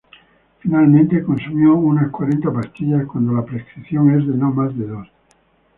Finalmente, consumió unas cuarenta pastillas, cuando la prescripción es de no más de dos.